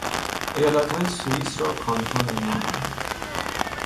ایالتهای سوئیس را کانتون مینامند.